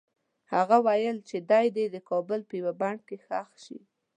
هغه وویل چې دی دې د کابل په یوه بڼ کې ښخ شي.